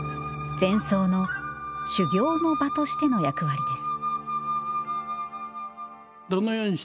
禅僧の「修行の場」としての役割です